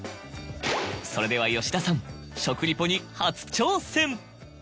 それでは吉田さん食リポに初挑戦！